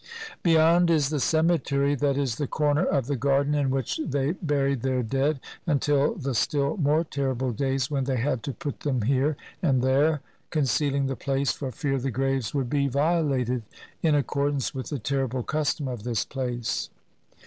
Beyond is the ''cemetery," that is, the corner of the garden in which they buried their dead, until the still more terrible days when they had to put them here and there, concealing the place for fear the graves would be violated, in accordance with the terrible custom of this place.